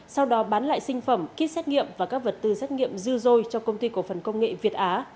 sau đó bán lại sinh phẩm kit xét nghiệm và các vật tư xét nghiệm dư dôi cho công ty cổ phần công nghệ việt á